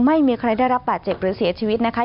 ไม่มีใครได้รับบาดเจ็บหรือเสียชีวิตนะคะ